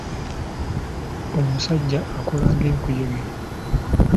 Omusajja akola ng'enkuyege.